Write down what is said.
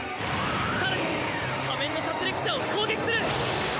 更に仮面の殺戮者を攻撃する！